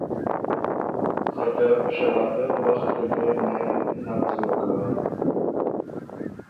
خه ته شهادت وخت اِر دې مېن نک زوک هۀ